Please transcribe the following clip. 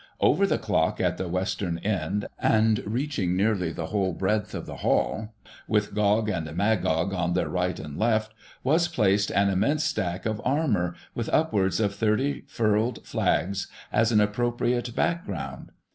Over the clock at the western end, and reaching nearly the whole breadth of the Hall, with Gog and Magog on the right and left, was placed an immense stack of armour, with upwards of 30 furled flags as an appropriate background.